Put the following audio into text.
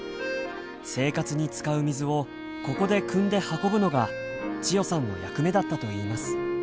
生活に使う水をここでくんで運ぶのが千代さんの役目だったといいます。